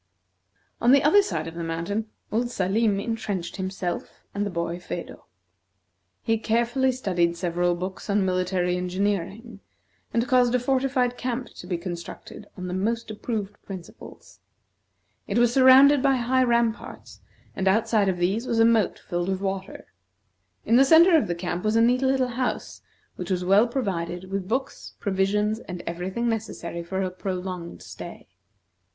On the other side of the mountain, old Salim intrenched himself and the boy, Phedo. He carefully studied several books on military engineering, and caused a fortified camp to be constructed on the most approved principles. It was surrounded by high ramparts, and outside of these was a moat filled with water. In the centre of the camp was a neat little house which was well provided with books, provisions, and every thing necessary for a prolonged stay.